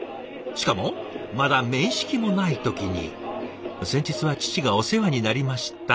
しかもまだ面識もない時に「先日は父がお世話になりました」